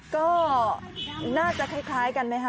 ก็น่าจะคล้ายกันไหมคะ